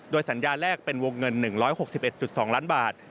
สัญญาแรกเป็นวงเงิน๑๖๑๒ล้านบาท